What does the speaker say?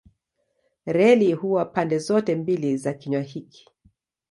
Reli huwa pande zote mbili za kinywa hiki.